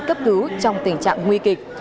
cấp cứu trong tình trạng nguy kịch